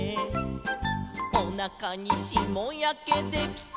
「おなかにしもやけできたとさ」